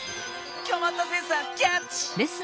こまったセンサーキャッチ！